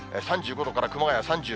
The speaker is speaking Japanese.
３５度から熊谷３６度。